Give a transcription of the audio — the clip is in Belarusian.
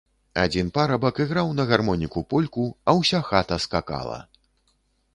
Адзін парабак іграў на гармоніку польку, а ўся хата скакала.